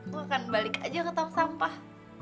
aku akan balik aja ke tamsampah